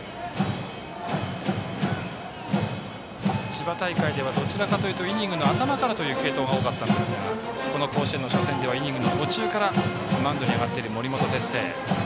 千葉大会では、どちらかというとイニングの頭からという継投が多かったんですがこの甲子園の予選ではイニングの途中からマウンドに上がっている森本哲星。